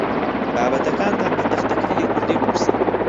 بابەتەکانتان بە تەختەکلیلی کوردی بنووسن.